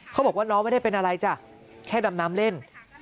เขาบอกว่าน้องไม่ได้เป็นอะไรจ้ะแค่ดำน้ำเล่น